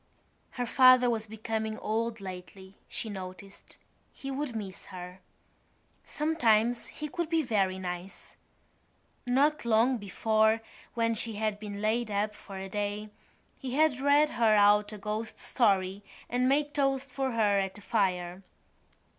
Her father was becoming old lately, she noticed; he would miss her. Sometimes he could be very nice. Not long before, when she had been laid up for a day, he had read her out a ghost story and made toast for her at the fire.